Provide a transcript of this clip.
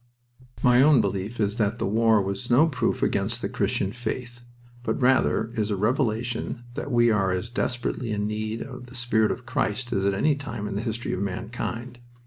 My own belief is that the war was no proof against the Christian faith, but rather is a revelation that we are as desperately in need of the spirit of Christ as at any time in the history of mankind.